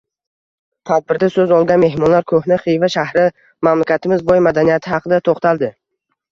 Tadbirda soʻz olgan mehmonlar koʻhna Xiva shahri, mamlakatimiz boy madaniyati haqida toʻxtaldi.